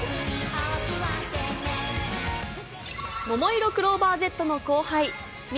ももいろクローバーＺの後輩。